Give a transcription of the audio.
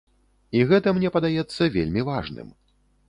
І гэта мне падаецца вельмі важным.